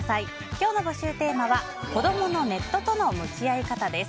今日の募集テーマは子供のネットとの向き合い方です。